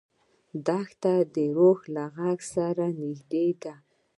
دښته د روح له غږ سره نږدې ده.